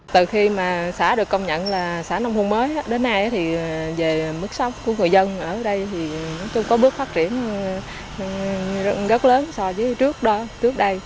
từ khi mà xã được công nhận là xã nông thôn mới đến nay thì về mức sốc của người dân ở đây thì có bước phát triển rất lớn so với trước đây